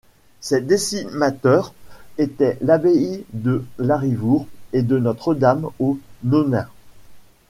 Ces décimateur étaient l'abbaye de Larrivour et de Notre-Dame-aux-Nonnains.